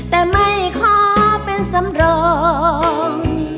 แต่ไม่ขอเป็นสำรอง